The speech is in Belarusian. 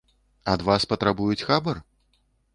Ад вас патрабуюць хабар?